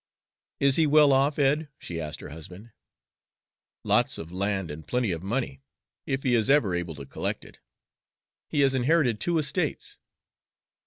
"Is he well off, Ed?" she asked her husband. "Lots of land, and plenty of money, if he is ever able to collect it. He has inherited two estates."